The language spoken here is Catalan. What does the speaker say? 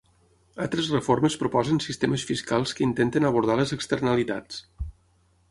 Altres reformes proposen sistemes fiscals que intenten abordar les externalitats.